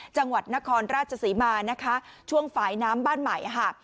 จังหวัดนครราชศรีมานะคะช่วงฝ่ายน้ำบ้านใหม่ค่ะ